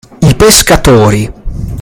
I pescatori!